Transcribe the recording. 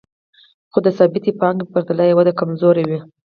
خو د ثابتې پانګې په پرتله یې وده کمزورې وي